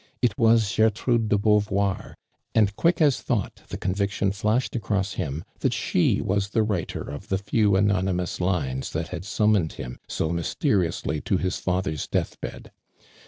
It was Gertrude de Beau voir, and quick as thought the conviction flashed across him that she was the writer of the few anonymous lines that had sum moned him so niysteriously to his father* death bed.